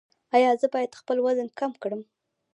ایا زه باید خپل وزن کم کړم؟